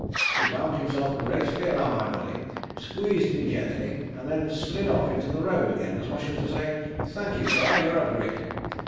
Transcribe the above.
He wound himself gracefully around my body, squeezed me gently and then slid off into the road again, as much as to say 'Thank you, sir. You're a brick.'